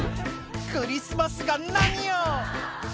「クリスマスが何よ！」